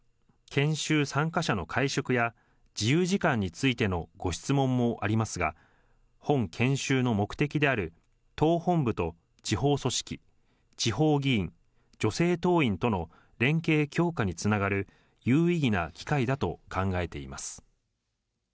研修参加者の会食や自由時間についてのご質問もありますが、本研修の目的である、党本部と地方組織、地方議員、女性党員との連携強化につながる有意義な機会だと考えています。